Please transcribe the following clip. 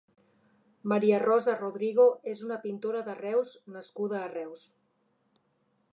Maria Rosa Rodrigo és una pintora de Reus nascuda a Reus.